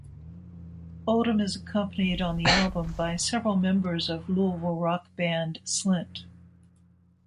Oldham is accompanied on the album by several members of Louisville rock band Slint.